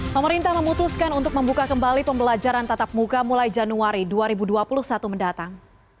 pemerintah memutuskan untuk membuka kembali pembelajaran tatap muka mulai januari dua ribu dua puluh satu mendatang